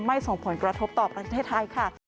ส่งผลกระทบต่อประเทศไทยค่ะ